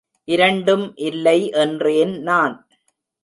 இரண்டும் இல்லை என்றேன் நான்.